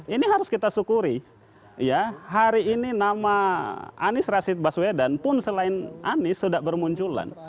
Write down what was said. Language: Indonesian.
ini harus kita syukuri ya hari ini nama anies rashid baswedan pun selain anies sudah bermunculan